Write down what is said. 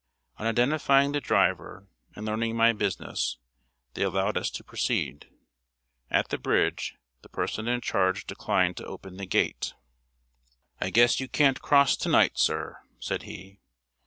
On identifying the driver, and learning my business, they allowed us to proceed. At the bridge, the person in charge declined to open the gate: "I guess you can't cross to night, sir," said he.